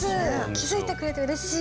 気付いてくれてうれしい。